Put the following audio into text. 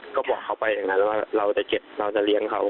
ก็บอกเขาไปอย่างนั้นว่าเราจะเก็บเราจะเลี้ยงเขา